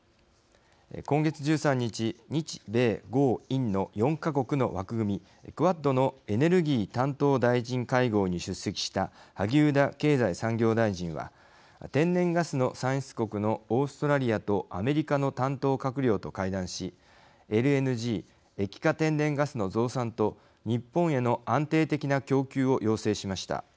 今月１３日日米豪印の４か国の枠組みクアッドのエネルギー担当大臣会合に出席した萩生田経済産業大臣は天然ガスの産出国のオーストラリアとアメリカの担当閣僚と会談しＬＮＧ＝液化天然ガスの増産と日本への安定的な供給を要請しました。